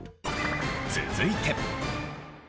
続いて。